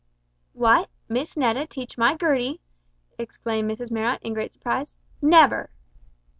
"What! Miss Netta teach my Gertie?" exclaimed Mrs Marrot in great surprise "never!"